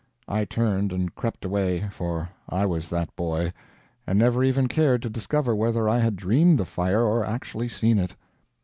I turned and crept away for I was that boy and never even cared to discover whether I had dreamed the fire or actually seen it.